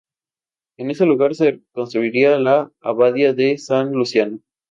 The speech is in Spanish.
En ese lugar se construirá la abadía de San Luciano.